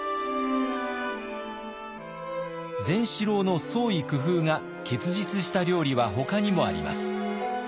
善四郎の創意工夫が結実した料理はほかにもあります。